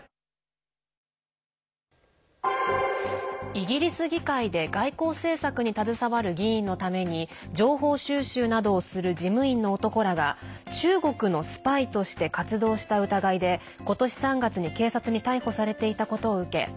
イギリス議会で外交政策に携わる議員のために情報収集などをする事務員の男らが中国のスパイとして活動した疑いで今年３月に警察に逮捕されていたことを受け